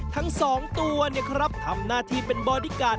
ทั้งสองตัวเนี่ยครับทำหน้าที่เป็นบอดี้การ์ด